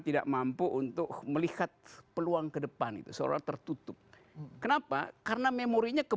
tidak mampu untuk melihat peluang kedepan itu seolah olah tertutup kenapa karena memorinya ke